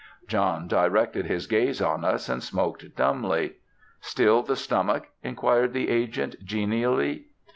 John directed his gaze on us, and smoked dumbly. "Still the stomach?" inquired the agent, genially.